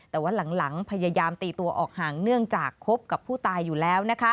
แต่ว่าหลังพยายามตีตัวออกห่างเนื่องจากคบกับผู้ตายอยู่แล้ว